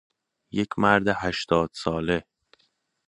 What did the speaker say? یک مرد هشتاد ساله